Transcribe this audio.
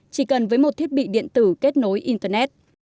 chỉ cần với một thiết bị điện tử kết nối internet